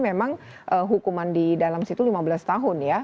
memang hukuman di dalam situ lima belas tahun ya